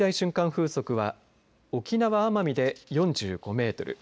風速は沖縄・奄美で４５メートル